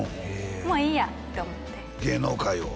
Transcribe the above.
もういいやって思って芸能界を？